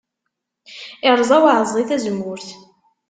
Iṛẓa uɛeẓẓi tazemmurt.